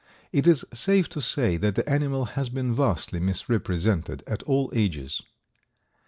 It is safe to say that the animal has been vastly misrepresented at all ages.